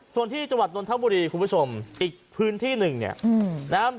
ส่วนที่จันทร์ตนเทพบุรีคุณผู้ชมอีกพื้นที่หนึ่งเนี่ยอืมนะครับ